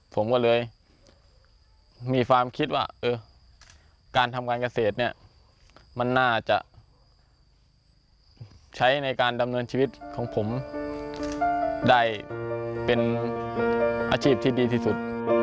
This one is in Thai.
ผมก็เลยมีความคิดว่าการทำการเกษตรเนี่ยมันน่าจะใช้ในการดำเนินชีวิตของผมได้เป็นอาชีพที่ดีที่สุด